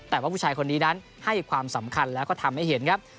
แต่ว่าผู้ชายคนนี้นั้นให้ความสำคัญแล้วก็ทำให้เห็นครับ